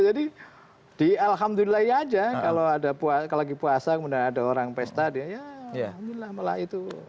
jadi di alhamdulillah aja kalau lagi puasa kemudian ada orang pesta ya alhamdulillah malah itu